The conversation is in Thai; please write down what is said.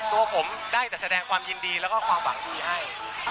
ตัวผมได้แต่แสดงความยินดีแล้วก็ความหวังดีให้